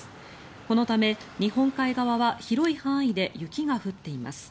このため日本海側は広い範囲で雪が降っています。